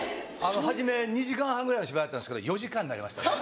初め２時間半ぐらいの芝居だったんですけど４時間になりました。